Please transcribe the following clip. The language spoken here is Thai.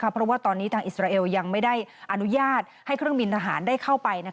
เพราะว่าตอนนี้ทางอิสราเอลยังไม่ได้อนุญาตให้เครื่องบินทหารได้เข้าไป